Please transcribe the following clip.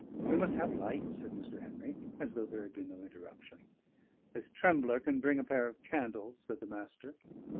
"We must have light," said Mr. Henry, as though there had been no interruption. "This trembler can bring a pair of candles," said the Master.